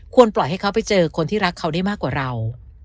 ปล่อยให้เขาไปเจอคนที่รักเขาได้มากกว่าเรา